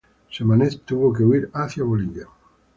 Samanez tuvo que huir hacia Bolivia.